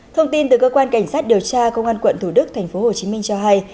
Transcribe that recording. thông tin từ cơ quan cảnh sát điều tra công an quận thủ đức thành phố hồ chí minh cho hay